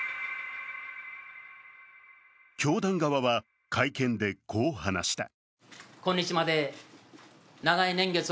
教団側は会見でこう話した。